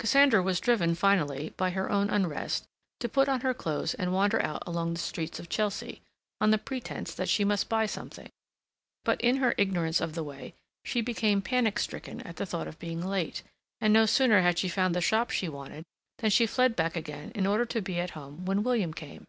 Cassandra was driven finally, by her own unrest, to put on her clothes and wander out along the streets of Chelsea, on the pretence that she must buy something. But, in her ignorance of the way, she became panic stricken at the thought of being late, and no sooner had she found the shop she wanted, than she fled back again in order to be at home when William came.